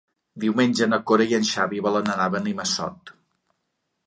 Diumenge na Cora i en Xavi volen anar a Benimassot.